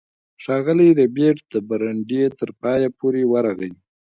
ښاغلی ربیټ د برنډې تر پایه پورې ورغی